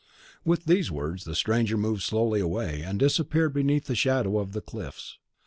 With these words the stranger moved slowly away, and disappeared beneath the shadow of the cliffs.